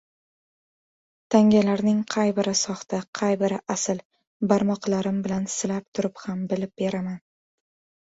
Tangalarning qay biri soxta, qay biri asl — barmoqlarim bilan silab turib ham bilib beraman.